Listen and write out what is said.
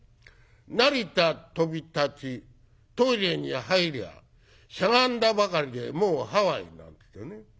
「成田飛び立ちトイレに入りゃしゃがんだばかりでもうハワイ」なんていってね。